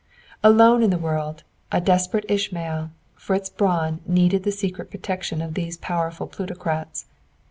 Alone in the world, a desperate Ishmael, Fritz Braun needed the secret protection of these powerful plutocrats.